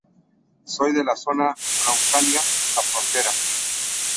Soy de la zona de Araucanía: La Frontera.